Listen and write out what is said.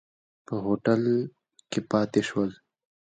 په هوټل کې پاتې شول.